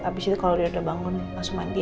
abis itu kalau dia udah bangun langsung mandi